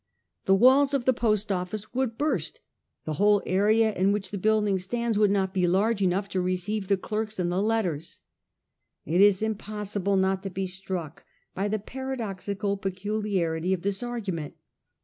The walls of the Post Office would burst, the whole area in which the building stands would not be large enough to receive the clerks and the letters.' It is impossible not to be struck by the paradoxical peculiarity of this argument.